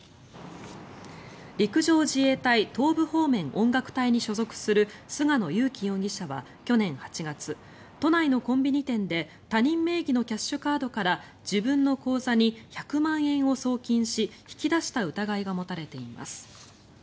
陸上自衛隊東部方面音楽隊に所属する菅野勇気容疑者は去年８月都内のコンビニ店で他人名義のキャッシュカードから自分の口座に１００万円を送金し引き出した疑いが持たれています。